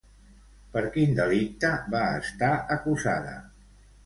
Per quin delicte va estar acusada?